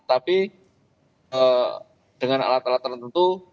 tapi dengan alat alat tertentu